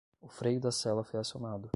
O freio da sela foi acionado